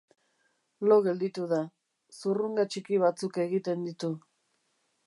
Lo gelditu da; zurrunga txiki batzuk egiten ditu.